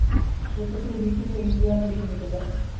এরপর তিনি বৃত্তি নিয়ে ইন্ডিয়ানায় ডিগ্রি নিতে যান।